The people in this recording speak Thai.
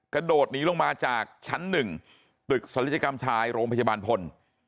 กระโดดหนีลงมาจากชั้น๑ตึกศัลยกรรมชายโรงพยาบาลพล